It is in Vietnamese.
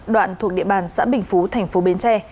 đoạn thuộc địa bàn xã bình phú thành phố bến tre